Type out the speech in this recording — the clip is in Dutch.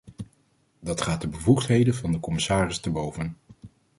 Dat gaat de bevoegdheden van de commissaris te boven.